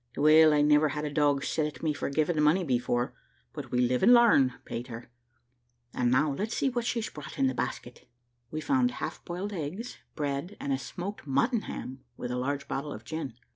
Well, I never had a dog set at me for giving money before, but we live and learn, Peter; and now let's see what she's brought in the basket." We found half boiled eggs, bread, and a smoked mutton ham, with a large bottle of gin.